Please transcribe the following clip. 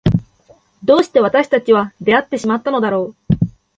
どうして私たちは出会ってしまったのだろう。